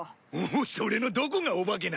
それのどこがお化けなんだ？